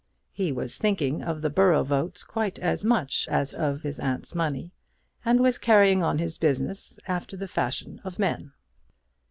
He was thinking of the borough votes quite as much as of his aunt's money, and was carrying on his business after the fashion of men.